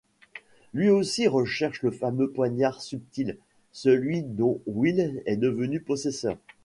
Lui aussi recherche le fameux Poignard subtil, celui dont Will est devenu possesseur.